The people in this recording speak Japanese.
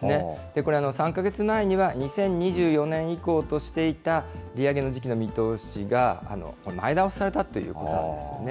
これ、３か月前には２０２４年以降としていた利上げの時期の見通しが前倒しされたということなんですよね。